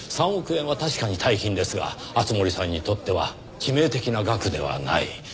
３億円は確かに大金ですが敦盛さんにとっては致命的な額ではない。